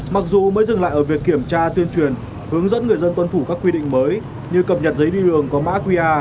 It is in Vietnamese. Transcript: mặc dù mới dừng lại ở việc kiểm tra tuyên truyền hướng dẫn người dân tuân thủ các quy định mới như cập nhật giấy đi đường có mã qr